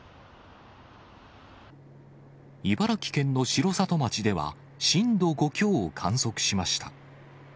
茨城県の城里町では、震度５強を観測しました。